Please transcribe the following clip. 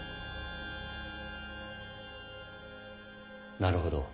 なるほど。